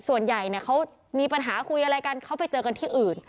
ส่วนใหญ่เขามีปัญหาคุยอะไรกันเขาไปเจอกันที่อื่น